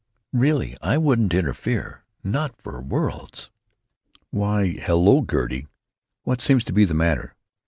Really, I wouldn't interfere, not for worlds!" "Why, hello, Gertie! What seems to be the matter?